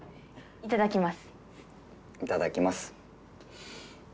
いただきます。